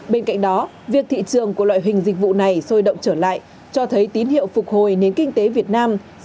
bên cạnh đó việc thị trường của loại hình dịch vụ này sôi động trở lại cho thấy tín hiệu phục hồi nền kinh tế việt nam